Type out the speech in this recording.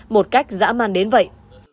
một cách dã man đến vậy